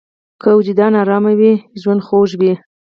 که وجدان ارام وي، ژوند خوږ وي.